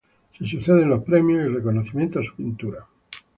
Se suceden los premios y el reconocimiento a su pintura.